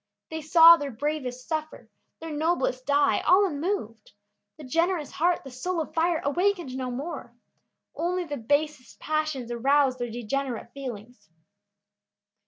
They saw their bravest suffer, their noblest die, all unmoved. The generous heart, the soul of fire, awaked no more. Only the basest passions aroused their degenerate feelings.